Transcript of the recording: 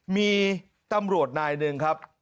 มีตำรวจนายหนึ่งครับ